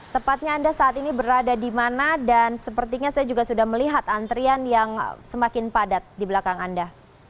tepatnya anda saat ini berada di mana dan sepertinya saya juga sudah melihat antrian yang semakin padat di belakang anda